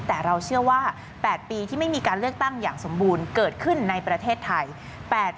แต่เราเชื่อว่า๘ปีที่ไม่มีการเลือกตั้งอย่างสมบูรณ์เกิดขึ้นในประเทศไทย